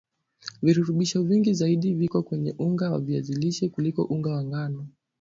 virutubisho vingi zaidi viko kwenye unga wa viazi lishe kuliko unga wa ngano